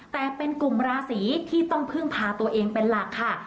แต่เป็นกลุ่มราศีที่ต้องพึ่งพาตัวเองเป็นหลักค่ะ